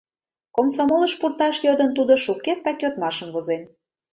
Комсомолыш пурташ йодын, тудо шукертак йодмашым возен.